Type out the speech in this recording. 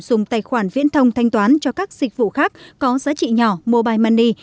dùng tài khoản viễn thông thanh toán cho các dịch vụ khác có giá trị nhỏ mobile money